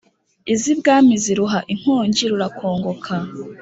iz'ibwami ziruha inkongi rurakongoka;